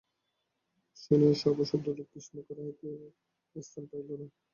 শুনিয়া সভাসুদ্ধ লোক বিস্ময় রাখিতে স্থান পাইল না।